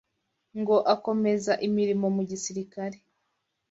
ngo akomeza imirimo mu gisirikare